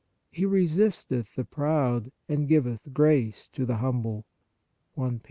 " He resisteth the proud, and giveth grace to the humble" (I Pet.